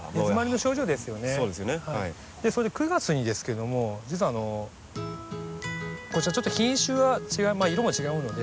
それで９月にですけども実はあのこちらちょっと品種は違う色も違うので。